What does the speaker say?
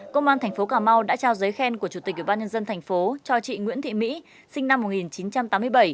công an thành phố cà mau đã trao giấy khen của chủ tịch ủy ban nhân dân thành phố cho chị nguyễn thị mỹ sinh năm một nghìn chín trăm tám mươi bảy